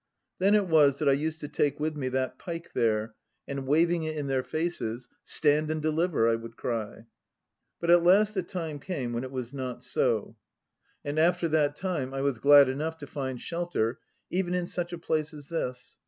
Then it was that I used to take with me that pike there and waving it in their faces, "Stand and deliver!" I would cry. But at last a time came when it was not so. 1 And after that time I was glad enough to find shelter even in such a place as this.